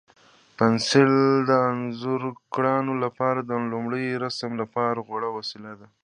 پنسل د انځورګرانو لپاره د لومړني رسم لپاره غوره وسیله ده.